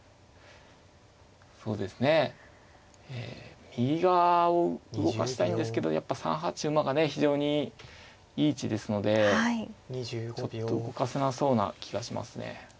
そうですね右側を動かしたいんですけどやっぱ３八馬がね非常にいい位置ですのでちょっと動かせなそうな気がしますね。